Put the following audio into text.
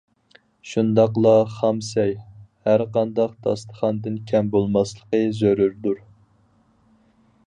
شۇنداقلا خام سەي ھەر قانداق داستىخاندىن كەم بولماسلىقى زۆرۈردۇر.